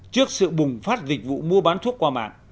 trước sự bùng phát dịch vụ mua bán thuốc qua mạng